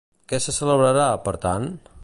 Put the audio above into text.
Què se celebrarà, per tant?